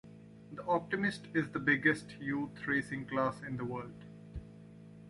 The Optimist is the biggest youth racing class in the world.